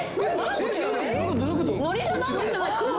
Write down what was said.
こちらです。